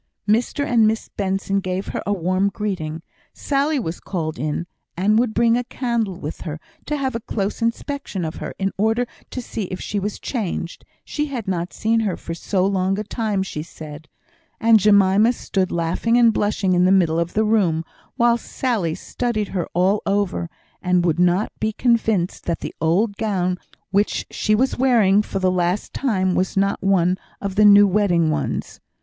Mr and Miss Benson gave her a warm greeting. Sally was called in, and would bring a candle with her, to have a close inspection of her, in order to see if she was changed she had not seen her for so long a time, she said; and Jemima stood laughing and blushing in the middle of the room, while Sally studied her all over, and would not be convinced that the old gown which she was wearing for the last time was not one of the new wedding ones.